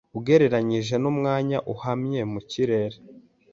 ugereranije nu mwanya uhamye mu kirere